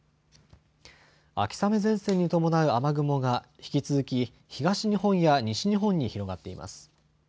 秋雨前線に伴う雨雲が引き続き東日本や西日本に広がっています。